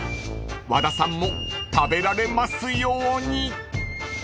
［和田さんも食べられますように］